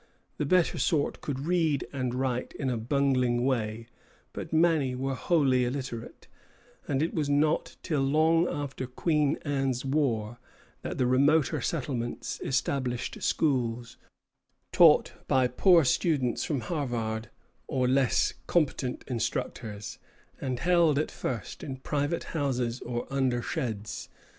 The better sort could read and write in a bungling way; but many were wholly illiterate, and it was not till long after Queen Anne's War that the remoter settlements established schools, taught by poor students from Harvard or less competent instructors, and held at first in private houses or under sheds.